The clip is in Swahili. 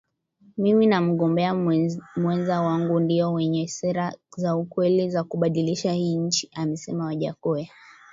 Mimi na mgombea mwenza wangu ndio wenye sera za ukweli za kubadilisha hii nchi Amesema Wajackoya